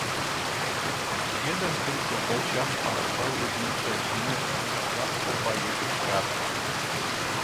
"Jeden tylko bocian patrzał jednocześnie da oba jego światy."